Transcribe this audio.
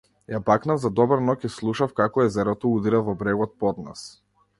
Ја бакнав за добра ноќ и слушав како езерото удира во брегот под нас.